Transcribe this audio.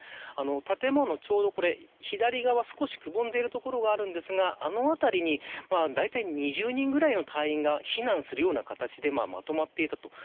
建物、ちょうど左側、少しくぼんでいる所があるんですがあの辺りに、だいたい２０人くらいの隊員が避難するような形でまとまっていたと。